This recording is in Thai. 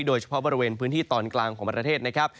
โดยเฉพาะบริเวณพื้นที่ตอนกลางของประเทศนะครับ